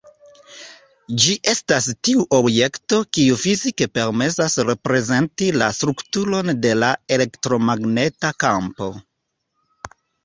Ĝi estas tiu objekto, kiu fizike permesas reprezenti la strukturon de la elektromagneta kampo.